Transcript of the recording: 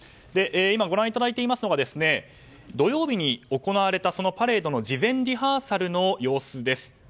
今、ご覧いただいていますのが土曜日に行われたパレードの事前リハーサルの様子です。